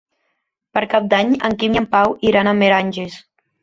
Per Cap d'Any en Quim i en Pau iran a Meranges.